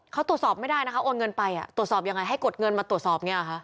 เขาตรวจสอบไม่ได้นะคะโอนเงินไปตรวจสอบยังไงให้กดเงินมาตรวจสอบเนี่ยค่ะ